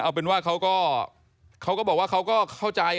เอาเป็นว่าเขาก็บอกว่าเขาก็เข้าใจ